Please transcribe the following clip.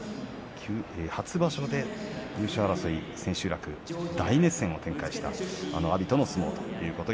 初場所で優勝争い千秋楽、大熱戦を展開した阿炎との相撲です。